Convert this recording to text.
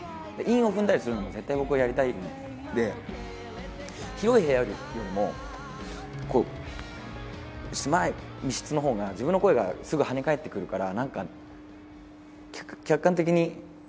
韻を踏んだりするのを絶対、僕はやりたいので広い部屋よりも、狭い密室の方が自分の声がすぐ跳ね返ってくるから。